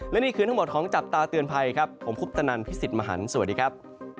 และนี่คือทั้งหมดของจับตาเตือนภัยครับผมคุปตนันพี่สิทธิ์มหันฯสวัสดีครับ